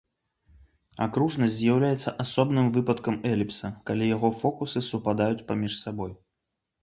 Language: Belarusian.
Акружнасць з'яўляецца асобным выпадкам эліпса, калі яго фокусы супадаюць паміж сабой.